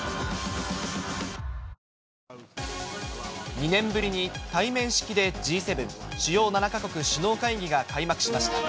２年ぶりに対面式でＧ７・主要７か国首脳会議が開幕しました。